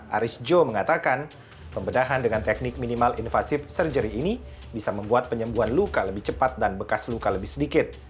aris jo mengatakan pembedahan dengan teknik minimal invasive surgery ini bisa membuat penyembuhan luka lebih cepat dan bekas luka lebih sedikit